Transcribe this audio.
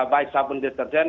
baik sabun deterjen